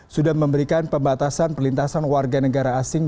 sudah memberikan pembatasan perlintasan warga negara asing